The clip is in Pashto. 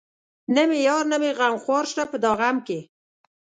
نه مې يار نه مې غمخوار شته په دا غم کې